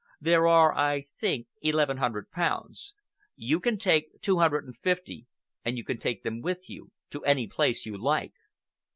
There are, I think, eleven hundred pounds. You can take two hundred and fifty, and you can take them with you—to any place you like."